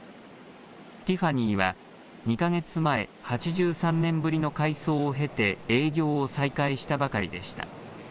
ティファニーは２か月前、８３年ぶりの改装を経て営業を再開したばかりでした。